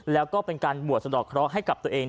แล้วก็เป็นการบวชสะดอกเคราะห์ให้กับตัวเอง